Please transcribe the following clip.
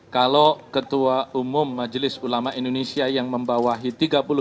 kalau ketua umum majelis ulama indonesia yang membawahi tiga puluh tujuh ormas islam ini